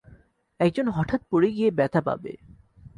একজন হঠাৎ পড়ে গিয়ে ব্যথা পাবে।